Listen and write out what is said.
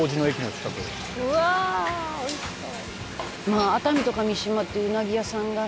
「まあ熱海とか三島ってうなぎ屋さんが」